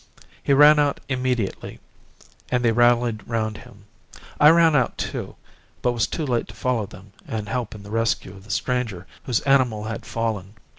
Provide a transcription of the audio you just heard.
He ran out immediately, and they rallied round him. I ran out, too, but was too late to follow them and help in the rescue of the stranger, whose animal had fallen.